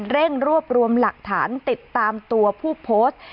เร่งรวบรวมหลักฐานติดตามตัวผู้โพสต์